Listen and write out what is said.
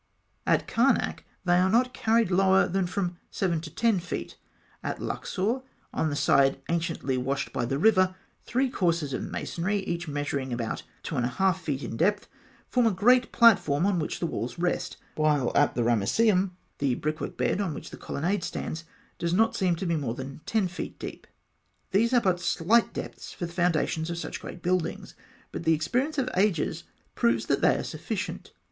At Karnak, they are not carried lower than from 7 to 10 feet; at Luxor, on the side anciently washed by the river, three courses of masonry, each measuring about 2 1/2 feet in depth, form a great platform on which the walls rest; while at the Ramesseum, the brickwork bed on which the colonnade stands does not seem to be more than 10 feet deep. These are but slight depths for the foundations of such great buildings, but the experience of ages proves that they are sufficient.